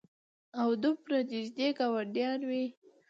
او دومره نېږدې ګاونډيان وي